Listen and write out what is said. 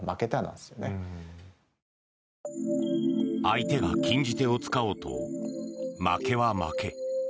相手が禁じ手を使おうと負けは負け。